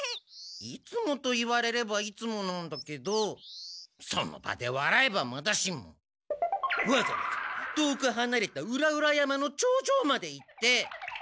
いつもと言われればいつもなんだけどその場でわらえばまだしもわざわざ遠くはなれた裏々山の頂上まで行って。